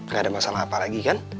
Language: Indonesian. gak ada masalah apa lagi kan